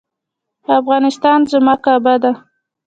افغانستان زما کعبه ده